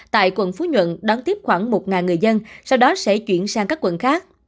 tại quận phú nhuận đón tiếp khoảng một người dân sau đó sẽ chuyển sang các quận khác